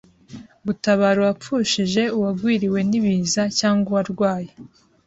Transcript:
gutabara uwapfushije, uwagwiriwe n’ibiza cyangwa uwarwaye